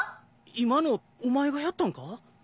今のお前がやったんか？